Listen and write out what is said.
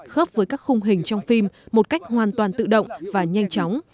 khớp với các khung hình trong phim một cách hoàn toàn tự động và nhanh chóng